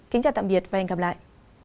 kính chào tạm biệt và hẹn gặp lại